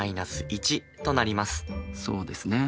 そうですね。